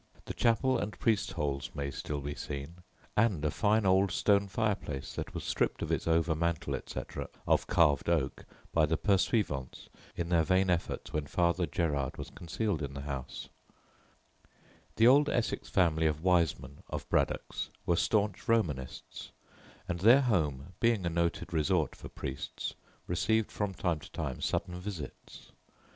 "The chapel" and priests' holes may still be seen, and a fine old stone fireplace that was stripped of its overmantel, etc., of carved oak by the "pursuivants" in their vain efforts when Father Gerard was concealed in the house. [Illustration: BRADDOCKS, ESSEX] [Illustration: FIREPLACE AT BRADDOCKS] The old Essex family of Wiseman of Braddocks were staunch Romanists, and their home, being a noted resort for priests, received from time to time sudden visits.